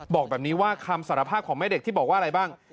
บอกแบบนี้ว่าคำสารภาพของแม่เด็กที่บอกว่าอะไรบ้าง